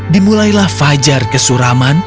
dimulailah fajar kesuraman